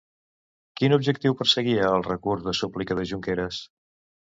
Quin objectiu perseguia el recurs de súplica de Junqueras?